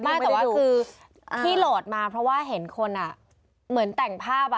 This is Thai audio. ไม่แต่ว่าคือที่โหลดมาเพราะว่าเห็นคนเหมือนแต่งภาพ